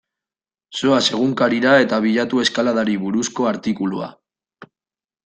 Zoaz egunkarira eta bilatu eskaladari buruzko artikulua.